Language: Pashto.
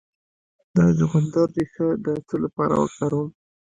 د چغندر ریښه د څه لپاره وکاروم؟